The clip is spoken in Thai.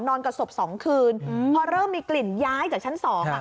กับศพสองคืนพอเริ่มมีกลิ่นย้ายจากชั้นสองอ่ะ